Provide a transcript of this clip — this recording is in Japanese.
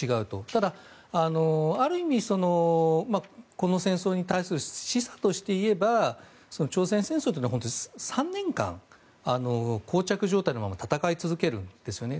ただ、ある意味この戦争に対する示唆として言えば朝鮮戦争というのは本当に３年間、膠着状態のまま戦い続けるんですよね。